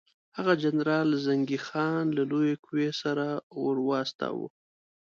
هغه جنرال زنګي خان له لویې قوې سره ورواستاوه.